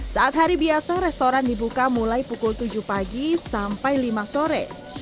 saat hari biasa restoran dibuka mulai pukul tujuh pagi sampai lima sore